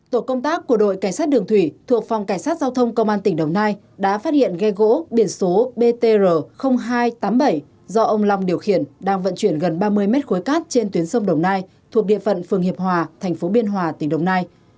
tổ công tác của đội cảnh sát đường thủy thuộc phòng cảnh sát giao thông công an tỉnh đồng nai đã phát hiện ghe gỗ biển số btr hai trăm tám mươi bảy do ông long điều khiển đang vận chuyển gần ba mươi mét khối cát trên tuyến sông đồng nai thuộc địa phận phường hiệp hòa thành phố biên hòa tỉnh đồng nai